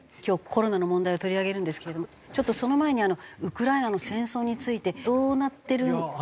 今日コロナの問題を取り上げるんですけれどもちょっとその前にウクライナの戦争についてどうなってる？